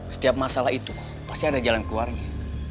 setiap masalah itu pasti ada jalan keluarnya